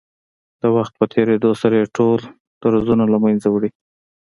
د وخت په تېرېدو سره يې ټول درځونه له منځه وړي.